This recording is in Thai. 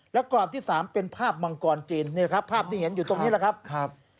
และกรอบที่๓เป็นภาพมังกรจีนนี่แหละครับภาพที่เห็นอยู่ตรงนี้แหละครับ